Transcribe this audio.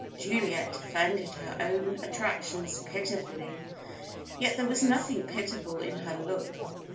Juliet defended her own attractions pitifully, yet there was nothing pitiful in her look.